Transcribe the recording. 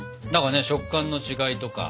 食感の違いとか酸味。